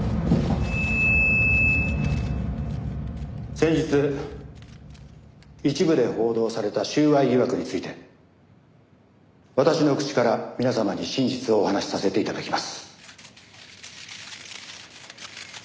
先日一部で報道された収賄疑惑について私の口から皆様に真実をお話しさせて頂きます。